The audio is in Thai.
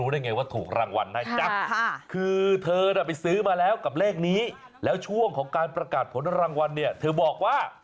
ไปถามเธอกันหน่อยละกันว่า